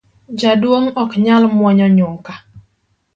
Jaduong’ ok nyal mwonyo nyuka